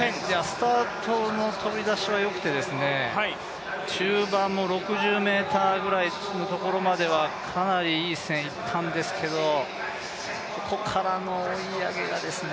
スタートの飛び出しはよくて中盤の６０ｍぐらいのところまではかなりいい線いったんですけれども、ここからの追い上げですね。